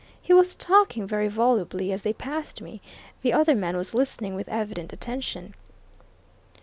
He was talking very volubly as they passed me the other man was listening with evident attention."